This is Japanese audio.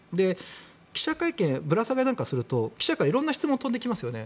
記者会見ぶら下がりなんかをすると記者から色々な質問が飛んできますよね。